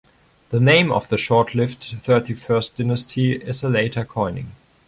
The name of the short-lived thirty-first dynasty is a later coining.